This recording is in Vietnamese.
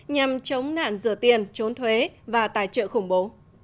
nhằm chống nạn rửa tiền trốn thuế và tài trợ khủng bố